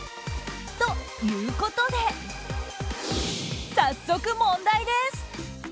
ということで、早速問題です。